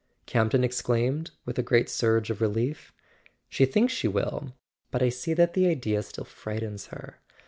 Campton exclaimed with a great surge of relief. "She thinks she will; but I see that the idea still frightens her.